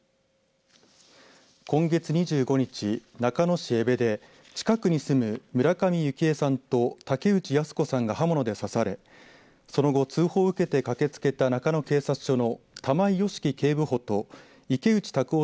今月２５日中野市江部で近くに住む村上幸枝さんと竹内靖子さんが刃物で刺されその後通報を受けて駆けつけた中野警察署の玉井良樹警部補と池内卓夫